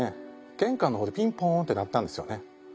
玄関の方でピンポーンって鳴ったんですよね。